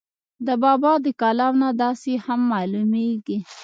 د بابا دَکلام نه داسې هم معلوميږي